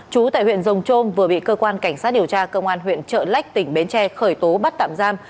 chú tại huyện rồng trôm vừa bị cơ quan cảnh sát điều tra công an huyện trợ lách tỉnh bến tre khởi tố bắt tạm giam